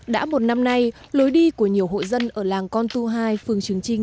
đã một năm nay lối đi của nhiều hộ dân ở làng con tu hai phường trường trinh